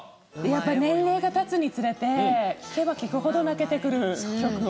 やっぱり年齢が経つにつれて聴けば聴くほど泣けてくる曲を。